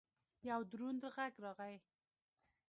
یو دروند غږ راغی!